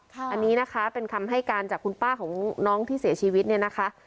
อันนี้นะคะเป็นคำให้การจากคุณป้าของน้องที่เสียชีวิตเนี่ยนะคะ